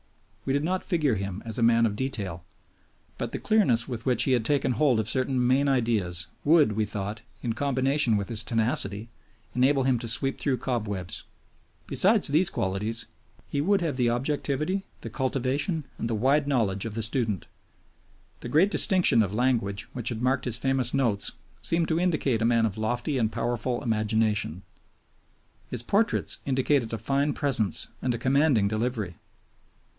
We did not figure him as a man of detail, but the clearness with which he had taken hold of certain main ideas would, we thought, in combination with his tenacity, enable him to sweep through cobwebs. Besides these qualities he would have the objectivity, the cultivation, and the wide knowledge of the student. The great distinction of language which had marked his famous Notes seemed to indicate a man of lofty and powerful imagination. His portraits indicated a fine presence and a commanding delivery.